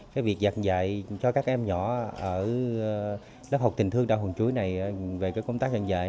cái việc dạng dạy cho các em nhỏ ở lớp học tình thương đảo hòn chuối này về công tác dạng dạy